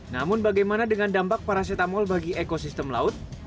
namun bagaimana dengan dampak parasetamol bagi ekosistem laut